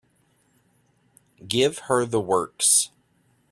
Give her the works.